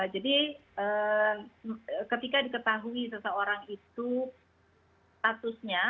jadi ketika diketahui seseorang itu statusnya